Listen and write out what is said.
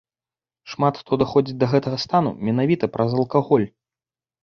Шмат хто даходзіць да гэтага стану менавіта праз алкаголь.